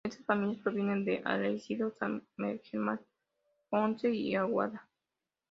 Estas familias provenían de Arecibo, San Germán, Ponce y Aguada.